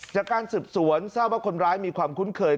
จากการสืบสวนทราบว่าคนร้ายมีความคุ้นเคย